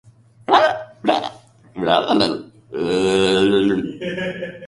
Evidence is lacking on Robert's participation as a patron of Dryburgh.